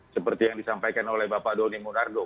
seperti yang disampaikan oleh bapak doni monardo